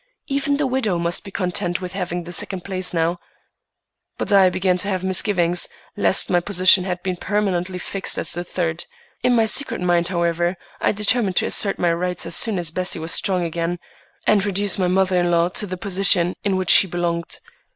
Even the widow must be content with the second place now, but I began to have misgivings lest my position had been permanently fixed as the third. In my secret mind, however, I determined to assert my rights as soon as Bessie was strong again, and reduce my mother in law to the position in which she belonged.